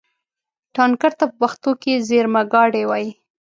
ټانکر ته په پښتو کې زېرمهګاډی وایي.